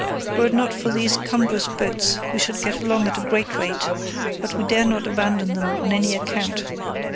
Were it not for these cumbrous boats we should get along at a great rate, but we dare not abandon them on any account.